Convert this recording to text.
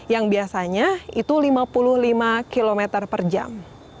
yang biasanya itu lima puluh lima km per jam